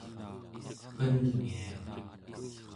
qenngia